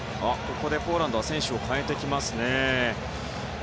ポーランドは選手を代えてきますね。